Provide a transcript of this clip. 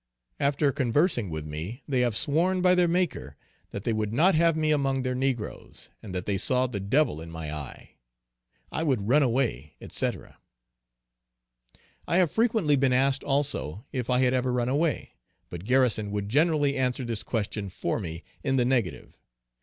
After conversing with me, they have sworn by their Maker, that they would not have me among their negroes; and that they saw the devil in my eye; I would run away, &c. I have frequently been asked also, if I had ever run away; but Garrison would generally answer this question for me in the negative.